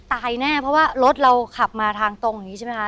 ตายแน่เพราะว่ารถเราขับมาทางตรงนี้ใช่ไหมคะ